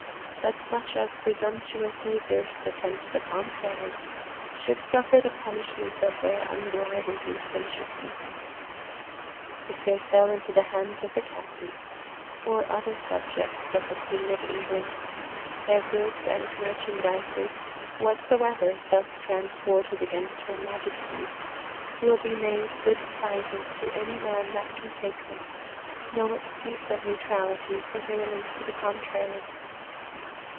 That such as presumptuously durst attempt the contrary, should suffer the punishment of their vnbrideled licensiousness, if they fell into the handes of the Captaines, or other Subiects of the Queene of Englande, their goods and marchandises whatsoeuer thus transported against her Maiesties will to be made good prises to any man that can take them, no excuse of Newtralitie preuailing to the contrary.